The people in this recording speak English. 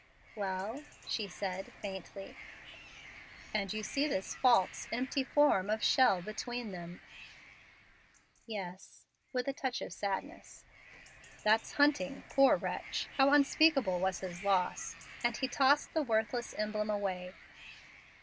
"Well?" she said, faintly. "And you see this false, empty form of shell between them?" "Yes" with a touch of sadness. "That's Hunting, poor wretch! How unspeakable was his loss!" and he tossed the worthless emblem away.